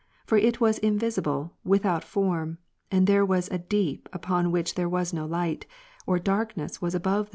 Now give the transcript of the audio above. For it was invisible, without form, and there was a deep, upon which there was no light ; or, darkness ivas above the deep, e i.